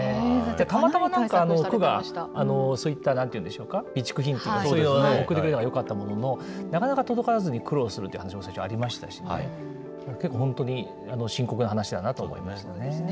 たまたま、区が、そういったなんて言うんですか、備蓄品というか、そういうのを送ってくれたのがよかったものの、なかなか届かずに苦労するということがありましたしね、結構、本当に深刻な話だなと思いますよね。